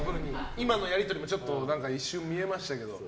今のやり取りも一瞬見えましたけど。